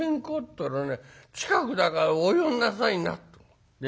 ったらね『近くだからお寄んなさいな』と。ね？